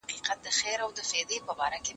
ما پرون د سبا لپاره د هنرونو تمرين وکړ..